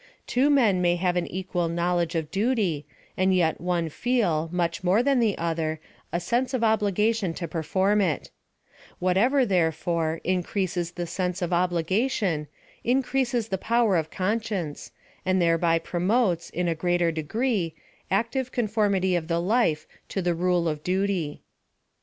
Two men may have an equal knowledge of duty, and yet one feel, much more than the other, a sense of obliga tion to perform it : whatever, therefore, increases the sense of obligation, increases the power of con science, and thereby promotes, in a greater degree, active conformity of the life to the rule of duty.